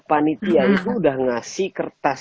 panitia itu udah ngasih kertas